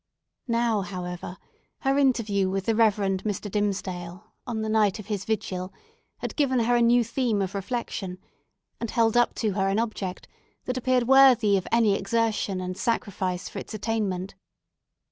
Now, however, her interview with the Reverend Mr. Dimmesdale, on the night of his vigil, had given her a new theme of reflection, and held up to her an object that appeared worthy of any exertion and sacrifice for its attainment.